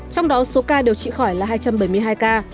trong đó số ca điều trị khỏi là hai trăm bảy mươi hai ca